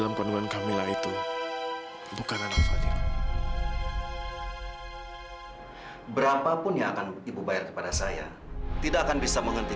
mbak marta ngapain di sini